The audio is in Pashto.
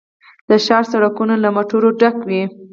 د ښار سړکونه له موټرو ډک وي